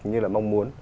như là mong muốn